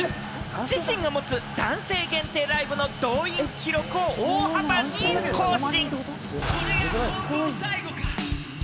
自身が持つ男性限定ライブの動員記録を大幅に更新！